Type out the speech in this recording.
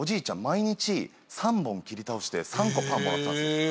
毎日３本切り倒して３個パンもらってたんですよ。